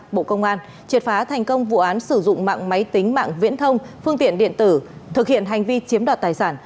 bộ công an triệt phá thành công vụ án sử dụng mạng máy tính mạng viễn thông phương tiện điện tử thực hiện hành vi chiếm đoạt tài sản